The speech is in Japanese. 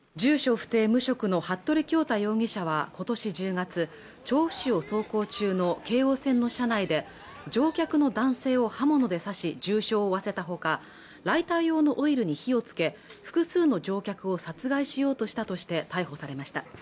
不定無職の服部恭太容疑者はことし１０月調布市走行中の京王線の車内で乗客の男性を刃物で刺し重傷を負わせたほかライター用のオイルに火をつけ複数の乗客を殺害しようとしたとして逮捕されました